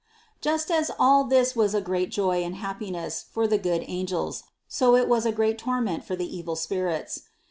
97. Just as all this was a great joy and happiness for the good angels, so it was a great torment for the evil spirits.